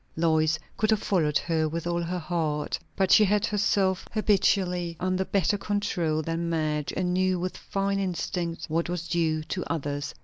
Lois could have followed her with all her heart; but she had herself habitually under better control than Madge, and knew with fine instinct what was due to others.